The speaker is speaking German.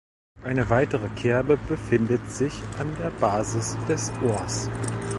Eine weitere Kerbe befindet sich an der Basis des Ohrs.